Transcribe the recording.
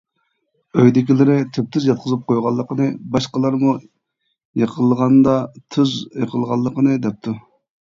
ئۆيدىكىلىرى تۈپتۈز ياتقۇزۇپ قويغانلىقىنى، باشقىلارمۇ يىقىلغاندا تۈز يىقىلغانلىقىنى دەپتۇ.